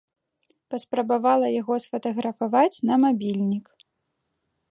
Паспрабавала яго сфатаграфаваць на мабільнік.